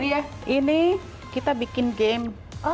jadi ini kita bikin game